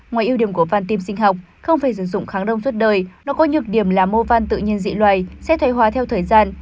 ngoài ưu điểm của van tim sinh học không phải sử dụng kháng đông suốt đời nó có nhược điểm là mô văn tự nhiên dị loài sẽ thay hóa theo thời gian